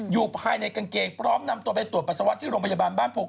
อยู่ภายในกางเกงพร้อมนำตัวไปตรวจปัสสาวะที่โรงพยาบาลบ้านโพก